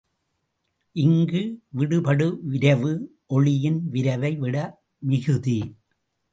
இங்கு விடுபடுவிரைவு ஒளியின் விரைவை விட மிகுதி.